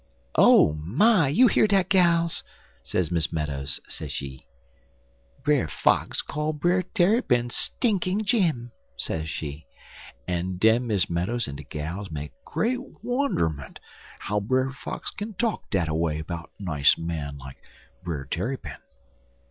"'Oh, my! You hear dat, gals?' sez Miss Meadows, sez she; 'Brer Fox call Brer Tarrypin Stinkin' Jim,' sez she, en den Miss Meadows en de gals make great wonderment how Brer Fox kin talk dat a way 'bout nice man like Brer Tarrypin.